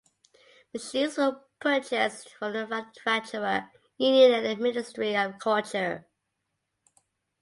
Machines were purchased from the manufacturer "Union" and the Ministry of Culture.